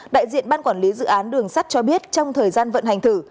đại diện ban quản lý dự án đường sắt cho biết trong thời gian vận hành thử